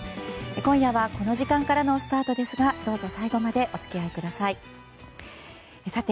今夜はこの時間からのスタートですがどうぞ最後までお付き合いください。